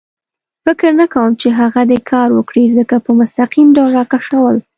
فکر نه کوم چې هغه دې کار وکړي، ځکه په مستقیم ډول را کشول.